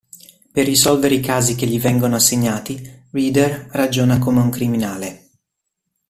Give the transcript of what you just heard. Per risolvere i casi che gli vengono assegnati, Reeder ragiona come un criminale.